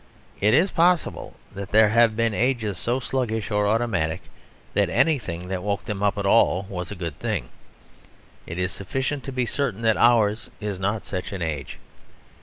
It is possible that there have been ages so sluggish or automatic that anything that woke them up at all was a good thing. It is sufficient to be certain that ours is not such an age.